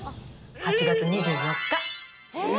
８月２４日。